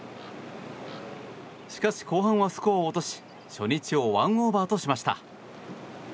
しかし、後半はスコアを落とし初日を１オーバーとしました。